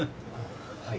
はい。